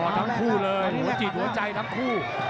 ทั้งคู่เลยหัวใจทั้งคู่